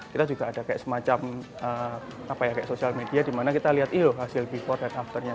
kita juga ada kayak semacam social media dimana kita lihat hasil before dan afternya